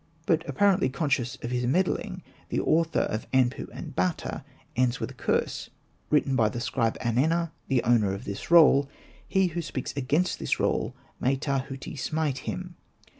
But, apparently conscious of his meddling, the author of Anpu and Bata ends with a curse : ''Written by the scribe Anena, the owner of this roll. He who speaks against this roll, may Tahuti smite him."